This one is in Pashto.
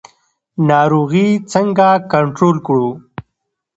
ناروغي څنګه کنټرول کړو؟